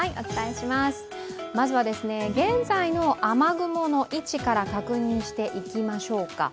まずは現在の雨雲の位置から確認していきましょうか。